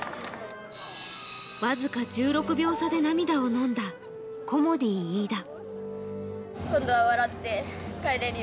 僅か１６秒差で涙をのんだコモディイイダ。